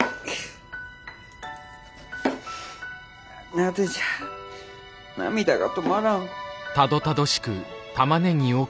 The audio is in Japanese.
なぜじゃ涙が止まらん。